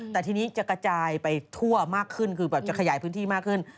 แต่ทีนี้จะกระจายไปทั่วมากขึ้นคือแบบจะขยายพื้นที่มากขึ้น